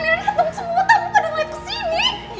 lihat dong semua tamu pada mulai kesini